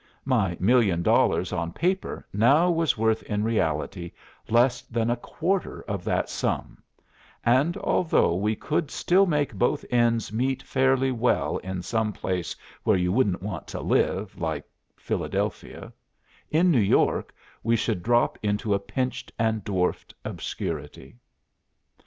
My million dollars on paper now was worth in reality less than a quarter of that sum, and although we could still make both ends meet fairly well in some place where you wouldn't want to live, like Philadelphia, in New York we should drop into a pinched and dwarfed obscurity."